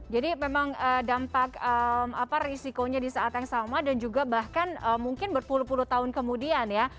jadi ini juga menunjukkan bahwa ada dampak risikonya di saat yang sama dan juga bahkan mungkin berpuluh puluh tahun kemudian ya